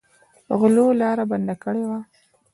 غلو لاره بنده کړې وه.